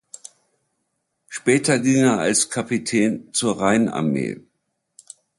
Später ging er als Capitaine zur Rheinarmee.